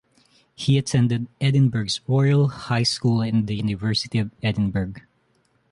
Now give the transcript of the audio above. He attended Edinburgh's Royal High School and the University of Edinburgh.